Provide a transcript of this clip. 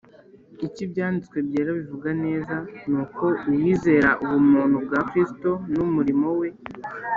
Icyo Ibyanditswe Byera bivuga neza ni uko uwizera ubumuntu bwa Kristo n'umurimo we